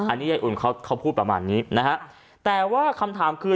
อันนี้ยายอุ่นเขาเขาพูดประมาณนี้นะฮะแต่ว่าคำถามคือ